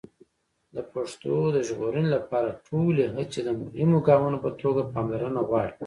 د پښتو د ژغورنې لپاره ټولې هڅې د مهمو ګامونو په توګه پاملرنه غواړي.